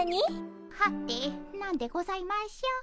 はて何でございましょう。